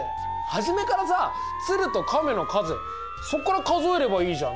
初めからさ鶴と亀の数そこから数えればいいじゃんね。